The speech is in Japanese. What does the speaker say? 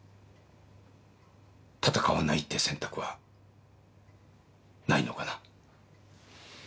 戦わないって選択はないのかな？